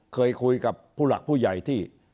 เคยคุยกับผู้หลักผู้ใหญ่ที่สมุยมาแล้วว่า